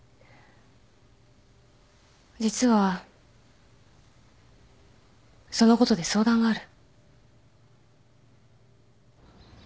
実はそのことで相談がある。